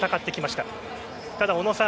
ただ、小野さん